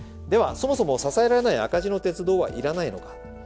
ではそもそも支えられない赤字の鉄道は要らないのか。